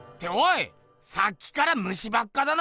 さっきから虫ばっかだな！